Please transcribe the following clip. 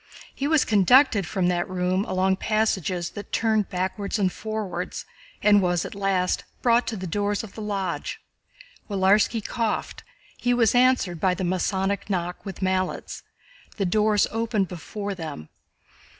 He was conducted from that room along passages that turned backwards and forwards and was at last brought to the doors of the Lodge. Willarski coughed, he was answered by the Masonic knock with mallets, the doors opened before them.